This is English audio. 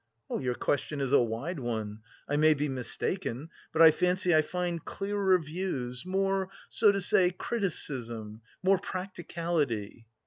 "Your question is a wide one. I may be mistaken, but I fancy I find clearer views, more, so to say, criticism, more practicality..."